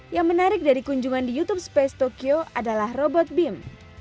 yang menarik dari kunjungan di youtube space tokyo adalah robot bim